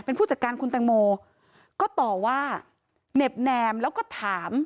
เป็นผู้จัดการคุณแตงโมก็ต่อว่าเหน็บแนมแล้วก็ถาม